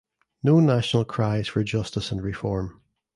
No national cries for justice and reform.